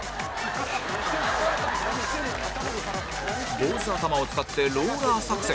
坊主頭を使ってローラー作戦